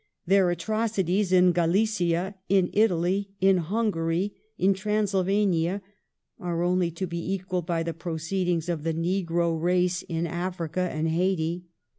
Their atrocities in Galicia, in Italy, in Hungary, in Transylvania are only to be equalled by the proceedings of the negro race in Africa and Haiti